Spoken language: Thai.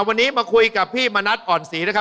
วันนี้มาคุยกับพี่มณัฐอ่อนศรีนะครับ